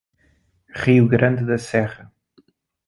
Rio Grande da Serra